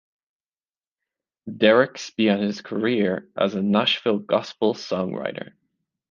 Derricks began his career as a Nashville gospel songwriter.